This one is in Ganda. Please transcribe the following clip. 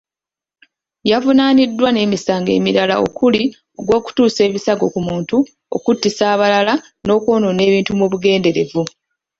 Yavunaaniddwa n'emisango emirala okuli; ogw'okutuusa ebisago ku muntu, okutiisa abalala n'okwonoona ebintu mu bugenderevu.